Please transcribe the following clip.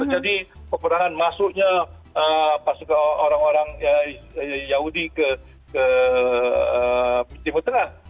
jadi peperangan masuknya pasukan orang orang yahudi ke timur tengah